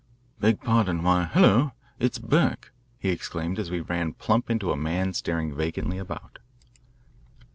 "Beg pardon why, hulloa it's Burke," he exclaimed as we ran plump into a man staring vacantly about.